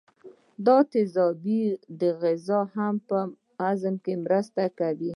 دا تیزاب د غذا په هضم کې مرسته کوي.